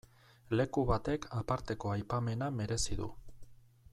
Leku batek aparteko aipamena merezi du.